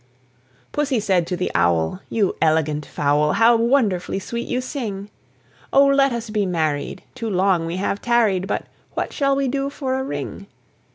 Pussy said to the Owl, "You elegant fowl! How wonderful sweet you sing! Oh, let us be married, too long we have tarried, But what shall we do for a ring?"